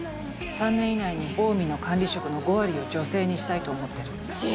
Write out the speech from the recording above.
３年以内にオウミの管理職の５割を女性にしたいと思ってる。